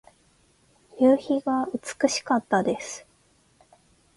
夕日が美しかったです。